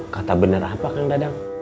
kata benar apa kang dadang